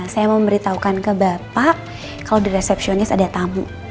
saya mau memberitahukan ke bapak kalau di resepsionis ada tamu